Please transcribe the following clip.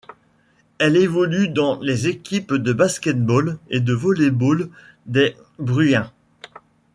Elle évolue dans les équipes de basket-ball et de volley-ball des Bruins.